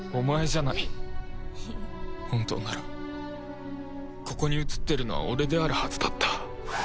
本当ならここに写っているのは俺であるはずだった